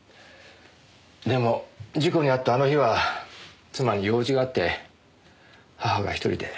でも事故に遭ったあの日は妻に用事があって母が１人で。